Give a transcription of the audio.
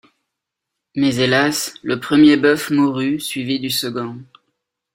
Mais hélas, le premier bœuf mourut suivi du second.